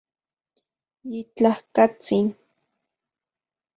Yitlajkatsin